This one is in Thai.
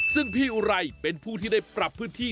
ซึ่งพี่อุไรเป็นผู้ที่ได้ปรับพื้นที่